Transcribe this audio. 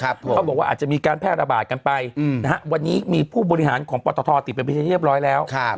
เขาบอกว่าอาจจะมีการแพร่ระบาดกันไปวันนี้มีผู้บริหารของปตทติดเป็นพิธีเรียบร้อยแล้ว